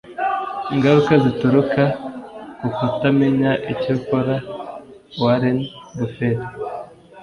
ingaruka zituruka ku kutamenya icyo ukora. - warren buffett